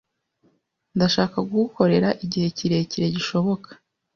Ndashaka kugukorera igihe kirekire gishoboka.